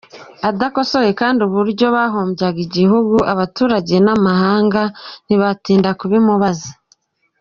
Adakosoye kandi uburyo bahombyamo igihugu, abaturage n’amahanga ntibatinda kubimubaza !